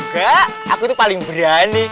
gak aku tuh paling berani